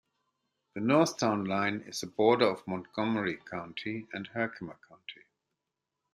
The north town line is the border of Montgomery County and Herkimer County.